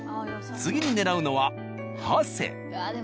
次に狙うのは長谷。